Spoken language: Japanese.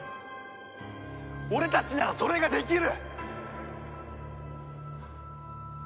俺たちならそれができる！